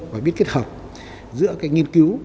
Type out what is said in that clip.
và biết kết hợp giữa cái nghiên cứu